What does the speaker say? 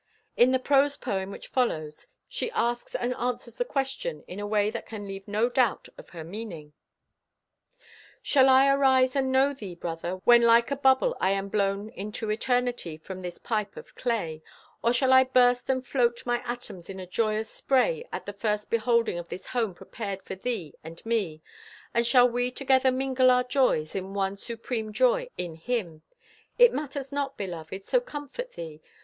In the prose poem which follows, she asks and answers the question in a way that can leave no doubt of her meaning: "Shall I arise and know thee, brother, when like a bubble I am blown into Eternity from this pipe of clay? Or shall I burst and float my atoms in a joyous spray at the first beholding of this home prepared for thee and me, and shall we together mingle our joys in one supreme joy in Him? It matters not, beloved, so comfort thee.